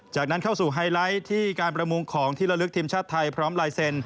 จากนั้นเข้าสู่ไฮไลท์ที่การประมูลของที่ละลึกทีมชาติไทยพร้อมลายเซ็น